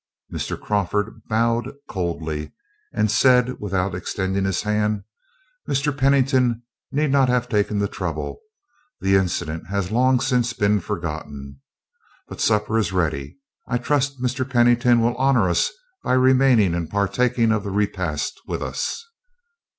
Mr. Crawford bowed coldly, and said, without extending his hand, "Mr. Pennington need not have taken the trouble; the incident has long since been forgotten. But supper is ready; I trust Mr. Pennington will honor us by remaining and partaking of the repast with us."